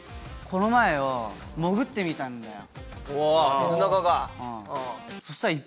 この前よ、潜ってみたんだよ。